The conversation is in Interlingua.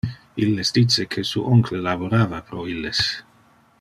Illes dice que su oncle laborava pro illes.